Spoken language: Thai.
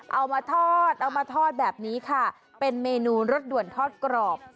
เอามาทอดแบบนี้ค่ะเป็นเมนูรสด่วนทอดกรอบ